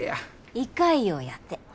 胃潰瘍やて。